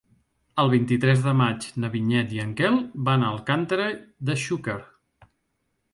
El vint-i-tres de maig na Vinyet i en Quel van a Alcàntera de Xúquer.